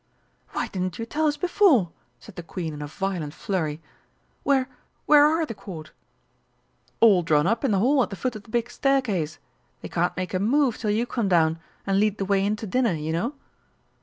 "Why didn't you tell us before?" said the Queen in a violent flurry. "Where where are the Court?" "All drawn up in the Hall at the foot of the big staircase. They can't make a move till you come down, and lead the way in to dinner, you know!"